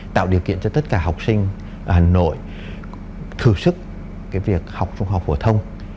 tạo điều kiện cho tất cả học sinh hà nội thử sức cái việc học trung học phổ thông